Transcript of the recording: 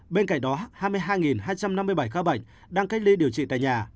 bên cạnh đó hai mươi hai hai trăm năm mươi bảy ca bệnh đang cách ly điều trị tại nhà